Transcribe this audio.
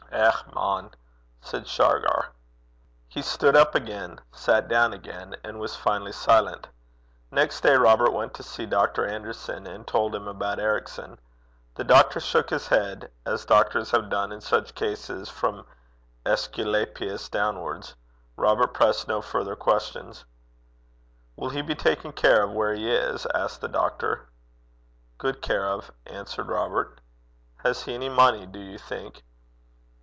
'Eh, man!' said Shargar. He stood up again, sat down again, and was finally silent. Next day Robert went to see Dr. Anderson, and told him about Ericson. The doctor shook his head, as doctors have done in such cases from Æsculapius downwards. Robert pressed no further questions. 'Will he be taken care of where he is?' asked the doctor. 'Guid care o',' answered Robert. 'Has he any money, do you think?'